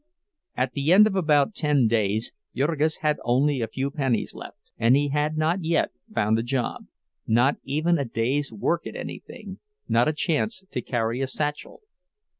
At the end of about ten days Jurgis had only a few pennies left; and he had not yet found a job—not even a day's work at anything, not a chance to carry a satchel.